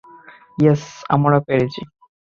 Yes, আমরা পেরেছি।